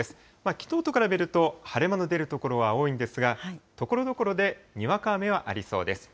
きのうと比べると晴れ間の出る所は多いんですが、ところどころでにわか雨はありそうです。